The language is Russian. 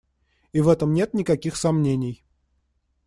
И в этом нет никаких сомнений.